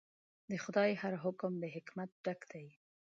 د خدای هر حکم د حکمت ډک دی.